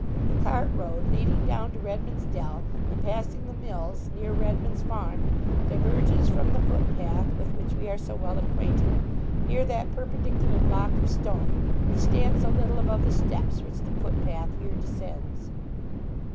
The cart road leading down to Redman's Dell, and passing the mills near Redman's Farm, diverges from the footpath with which we are so well acquainted, near that perpendicular block of stone which stands a little above the steps which the footpath here descends.